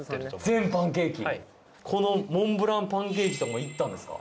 このモンブランパンケーキとかもいったんですか？